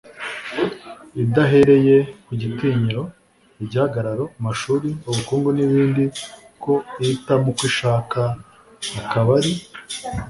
idahereye ku gitinyiro, igihagararo, amashuri, ubukungu n'ibindi, ko ihitamo uko ishaka, akaba ari